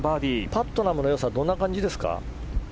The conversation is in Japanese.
パットナムの良さはどんな感じですか。